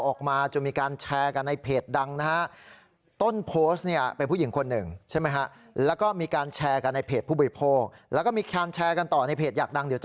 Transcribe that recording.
โอ้โหมาทั้งสองแล้วเนี่ย